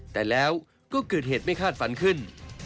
แต่แล้วก็เกิดเหตุไม่คาดฝันขึ้น